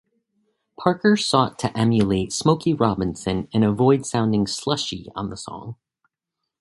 Parker sought to emulate Smokey Robinson and avoid sounding "slushy" on the song.